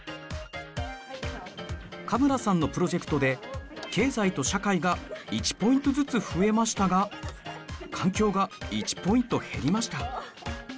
加村さんのプロジェクトで経済と社会が１ポイントずつ増えましたが環境が１ポイント減りました。